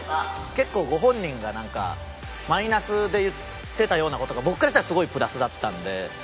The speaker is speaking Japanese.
結構ご本人がなんかマイナスで言ってたような事が僕からしたらすごいプラスだったんで。